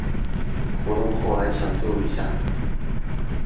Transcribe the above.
活動後來搶救一下